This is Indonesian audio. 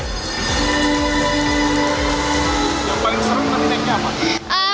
yang paling seru untuk neneknya apa